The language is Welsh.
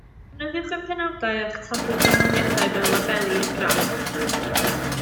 Defnyddiwch y penawdau o'ch tabl canlyniadau fel labeli i'r graff